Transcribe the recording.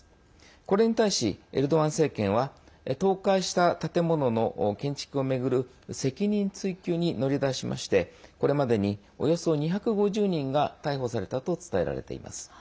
これに対し、エルドアン政権は倒壊した建物の建築を巡る責任追及に乗り出しましてこれまでに、およそ２５０人が逮捕されたと伝えられています。